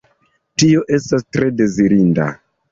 Tio estas tre dezirinda.